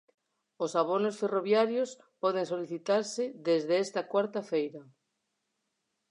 Os abonos ferroviarios poden solicitarse desde esta cuarta feira.